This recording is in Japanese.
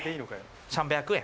３００円。